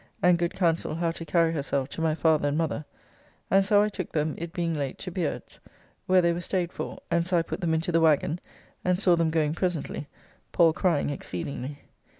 and good counsel how to carry herself to my father and mother), and so I took them, it being late, to Beard's, where they were staid for, and so I put them into the waggon, and saw them going presently, Pall crying exceedingly.